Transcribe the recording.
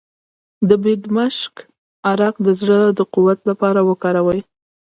د بیدمشک عرق د زړه د قوت لپاره وکاروئ